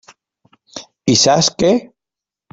I saps què?